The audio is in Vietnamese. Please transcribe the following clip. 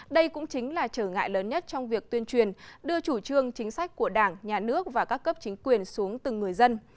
đây cũng chính là trở ngại lớn nhất trong việc tuyên truyền đưa chủ trương chính sách của đảng nhà nước và các cấp chính quyền xuống từng người dân